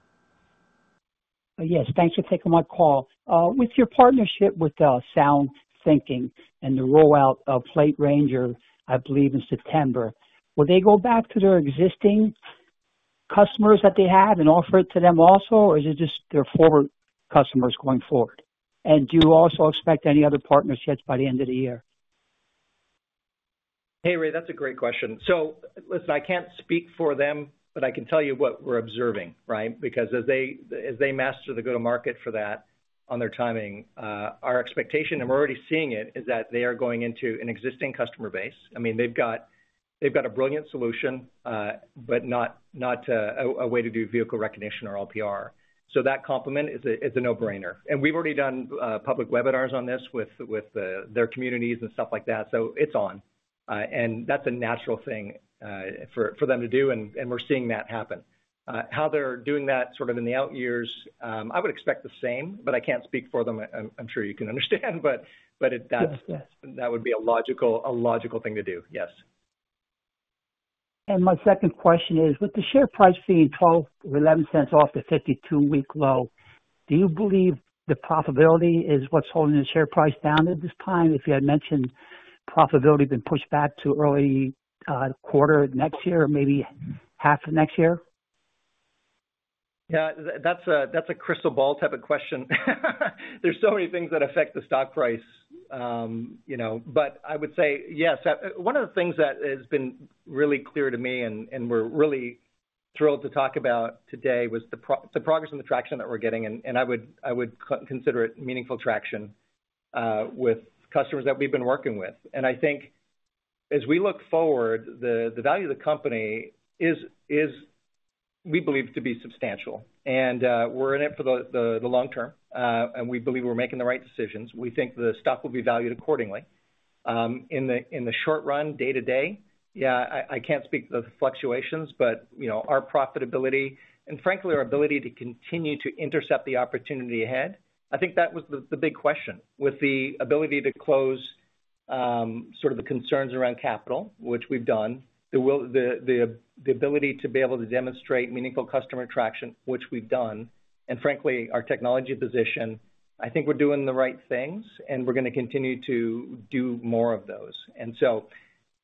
Yes, thanks for taking my call. With your partnership with SoundThinking and the rollout of PlateRanger, I believe, in September, will they go back to their existing customers that they have and offer it to them also, or is it just their forward customers going forward? And do you also expect any other partnerships by the end of the year? Hey, Ray, that's a great question. So listen, I can't speak for them, but I can tell you what we're observing, right? Because as they master the go-to-market for that on their timing, our expectation, and we're already seeing it, is that they are going into an existing customer base. I mean, they've got a brilliant solution, but not a way to do vehicle recognition or LPR. So that complement is, it's a no-brainer. And we've already done public webinars on this with their communities and stuff like that, so it's on. And that's a natural thing for them to do, and we're seeing that happen. How they're doing that sort of in the out years, I would expect the same, but I can't speak for them. I'm sure you can understand, but it that's- Yes. Yes. that would be a logical thing to do. Yes. My second question is, with the share price being $0.12 or $0.11 off the 52-week low, do you believe the profitability is what's holding the share price down at this time? If you had mentioned profitability been pushed back to early quarter next year or maybe half of next year? Yeah, that's a crystal ball type of question. There's so many things that affect the stock price, you know, but I would say, yes, one of the things that has been really clear to me, and we're really thrilled to talk about today, was the progress and the traction that we're getting, and I would consider it meaningful traction with customers that we've been working with. And I think as we look forward, the value of the company is, we believe to be substantial. And we're in it for the long term, and we believe we're making the right decisions. We think the stock will be valued accordingly. In the short run, day-to-day, yeah, I can't speak to the fluctuations, but, you know, our profitability and frankly, our ability to continue to intercept the opportunity ahead, I think that was the big question. With the ability to close sort of the concerns around capital, which we've done, the ability to be able to demonstrate meaningful customer traction, which we've done, and frankly, our technology position, I think we're doing the right things, and we're gonna continue to do more of those. And so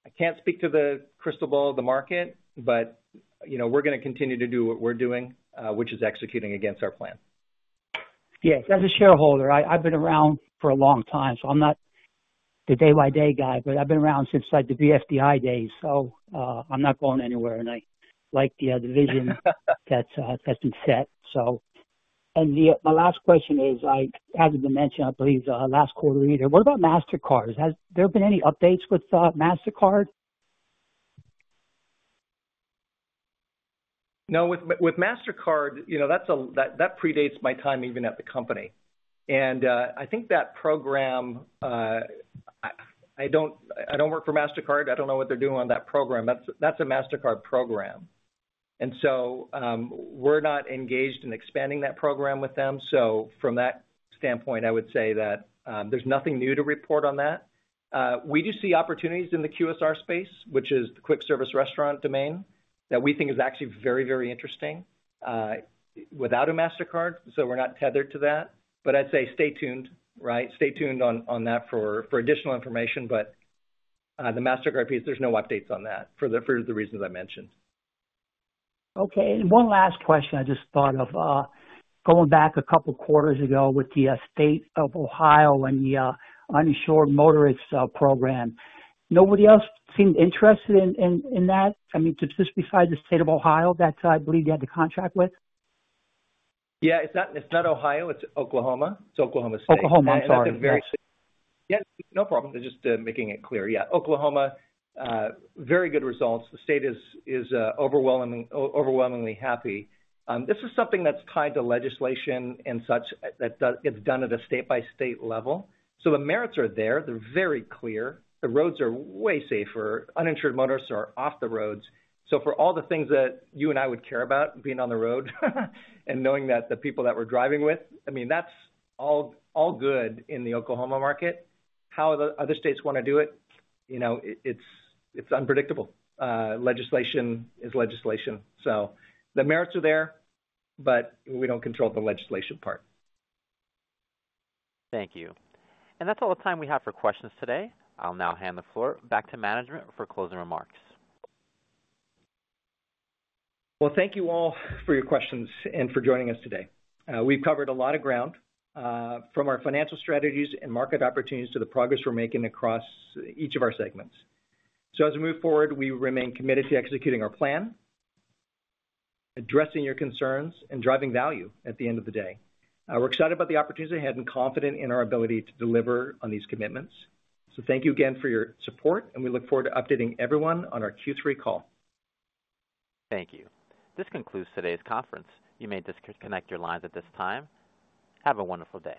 I can't speak to the crystal ball of the market, but, you know, we're gonna continue to do what we're doing, which is executing against our plan. Yes, as a shareholder, I've been around for a long time, so I'm not the day-by-day guy, but I've been around since, like, the BFDI days, so, I'm not going anywhere, and I like the vision, that's been set, so... And, my last question is, has it been mentioned, I believe, last quarter either, what about Mastercard? Has there been any updates with Mastercard? No, with Mastercard, you know, that's a that predates my time even at the company. And, I think that program, I don't work for Mastercard. I don't know what they're doing on that program. That's a Mastercard program. And so, we're not engaged in expanding that program with them. So from that standpoint, I would say that, there's nothing new to report on that. We do see opportunities in the QSR space, which is the quick service restaurant domain, that we think is actually very, very interesting, without a Mastercard, so we're not tethered to that. But I'd say stay tuned, right? Stay tuned on that for additional information. But, the Mastercard piece, there's no updates on that for the reasons I mentioned. Okay, and one last question I just thought of. Going back a couple quarters ago with the State of Ohio and the uninsured motorists program. Nobody else seemed interested in that? I mean, just besides the state of Ohio, that I believe you had the contract with. Yeah, it's not, it's not Ohio, it's Oklahoma. It's Oklahoma State. Oklahoma, I'm sorry. Yes, no problem. Just making it clear. Yeah, Oklahoma, very good results. The state is overwhelmingly happy. This is something that's tied to legislation and such, that gets done at a state-by-state level. So the merits are there, they're very clear. The roads are way safer, uninsured motorists are off the roads. So for all the things that you and I would care about being on the road, and knowing that the people that we're driving with, I mean, that's all good in the Oklahoma market. How the other states wanna do it, you know, it, it's unpredictable. Legislation is legislation, so the merits are there, but we don't control the legislation part. Thank you. That's all the time we have for questions today. I'll now hand the floor back to management for closing remarks. Well, thank you all for your questions and for joining us today. We've covered a lot of ground, from our financial strategies and market opportunities to the progress we're making across each of our segments. So as we move forward, we remain committed to executing our plan, addressing your concerns, and driving value at the end of the day. We're excited about the opportunity ahead and confident in our ability to deliver on these commitments. So thank you again for your support, and we look forward to updating everyone on our Q3 call. Thank you. This concludes today's conference. You may disconnect your lines at this time. Have a wonderful day.